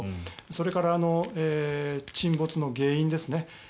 それから沈没の原因ですね。